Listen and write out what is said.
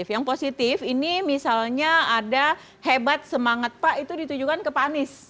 yang positif ini misalnya ada hebat semangat pak itu ditujukan ke pak anies